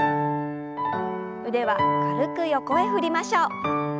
腕は軽く横へ振りましょう。